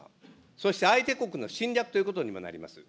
そして相手国の侵略ということにもなります。